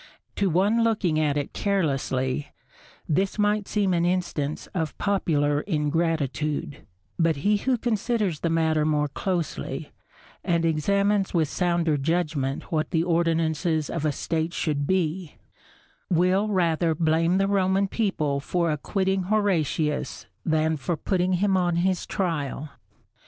To one looking at it carelessly, this might seem an instance of popular ingratitude, but he who considers the matter more closely, and examines with sounder judgment what the ordinances of a State should be, will rather blame the Roman people for acquitting Horatius than for putting him on his trial.